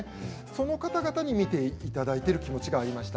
その方々に見ていただいている気持ちがありました。